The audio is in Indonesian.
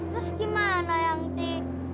terus gimana yanti